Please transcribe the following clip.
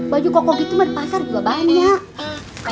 baju koko gitu mah di pasar juga banyak